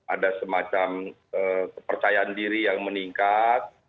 ada semacam kepercayaan diri yang meningkat